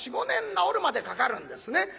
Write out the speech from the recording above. ４５年治るまでかかるんですね。